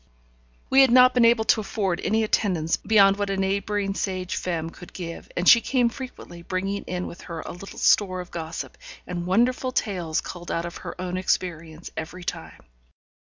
We had not been able to afford any attendance beyond what a neighbouring sage femme could give, and she came frequently, bringing in with her a little store of gossip, and wonderful tales culled out of her own experience, every time.